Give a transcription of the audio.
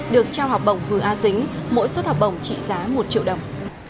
được trao học bổng vừa a dính mỗi suất học bổng trị giá một triệu đồng